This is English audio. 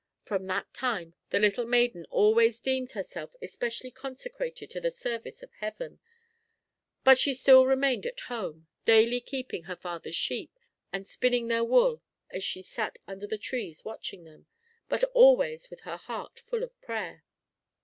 From that time the little maiden always deemed herself especially consecrated to the service of Heaven, but she still remained at home, daily keeping her father's sheep, and spinning their wool as she sat under the trees watching them, but always with her heart full of prayer.